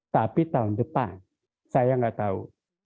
tapi tahun depan saya nggak tahu